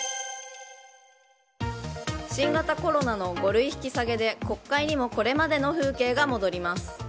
新型コロナの５類引き下げで国会にもこれまでの風景が戻ります。